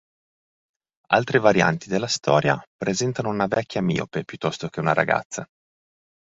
Altre varianti della storia presentano una vecchia miope piuttosto che una ragazza.